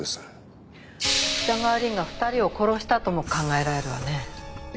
北川凛が２人を殺したとも考えられるわね。